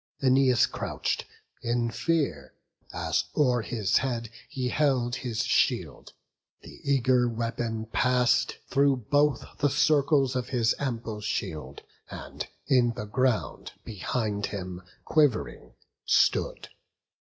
Æneas crouch'd, in fear, as o'er his head He held his shield; the eager weapon pass'd Through both the circles of his ample shield, And in the ground, behind him, quiv'ring, stood.